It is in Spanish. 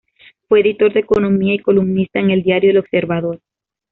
Fue Editor de Economía y columnista en el diario El Observador.